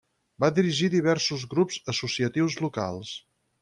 Va dirigir diversos grups associatius locals.